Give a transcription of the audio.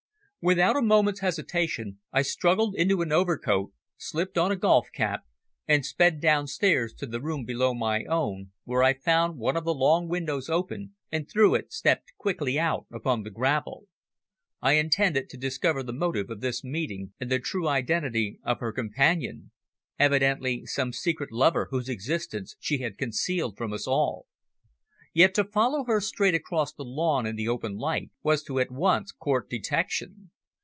Without a moment's hesitation I struggled into an overcoat, slipped on a golf cap and sped downstairs to the room below my own, where I found one of the long windows open, and through it stepped quickly out upon the gravel. I intended to discover the motive of this meeting and the identity of her companion evidently some secret lover whose existence she had concealed from us all. Yet to follow her straight across the lawn in the open light was to at once court detection.